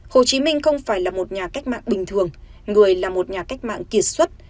hồ chí minh không phải là một nhà cách mạng bình thường người là một nhà cách mạng kiệt xuất